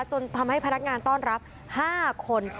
จนทำให้พนักงานต้อนรับ๕คน